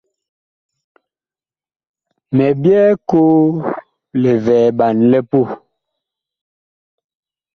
Mi byɛɛ koo livɛɛɓan li puh.